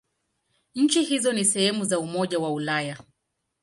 Nchi hizo si sehemu za Umoja wa Ulaya.